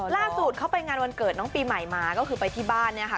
ล่าสุดเขาไปงานวันเกิดน้องปีใหม่มาก็คือไปที่บ้านเนี่ยค่ะ